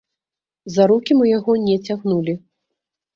За рукі мы яго не цягнулі.